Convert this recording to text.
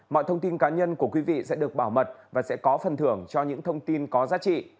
mọi thông tin cá nhân của quý vị sẽ được bảo mật và sẽ có phần thưởng cho những thông tin có giá trị